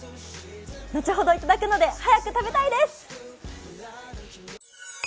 後ほど頂くので、早く食べたいです